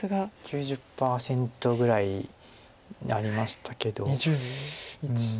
９０％ぐらいになりましたけど。